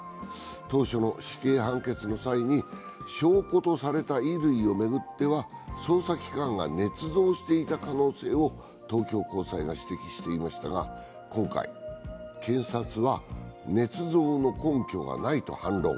当初の死刑判決の際に証拠とされた衣類を巡っては捜査機関がねつ造していた可能性を東京高裁が指摘していましたが今回、検察は、ねつ造の根拠がないと反論。